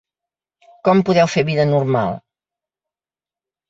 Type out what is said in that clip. Com podeu fer vida normal?